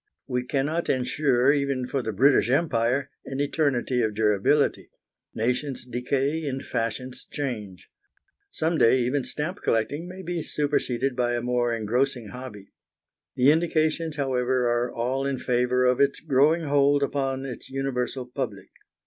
We cannot ensure, even for the British Empire, an eternity of durability: nations decay and fashions change. Some day even stamp collecting may be superseded by a more engrossing hobby. The indications, however, are all in favour of its growing hold upon its universal public.